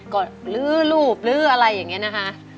ก็ลื้อรูปลื้ออะไรอย่างนี้นะคะ